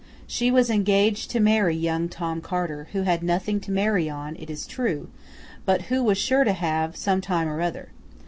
She was engaged to marry young Tom Carter, who had nothing to marry on, it is true, but who was sure to have, some time or other.